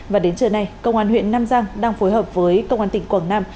và đến trưa nay công an huyện nam giang đang phối hợp với công an tỉnh quảng nam